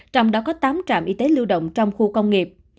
trong đó có tám trạm y tế lưu động trong khu công nghiệp